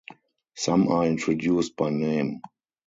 Some are introduced by name.